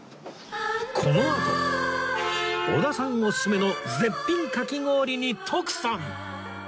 このあと織田さんおすすめの絶品かき氷に徳さん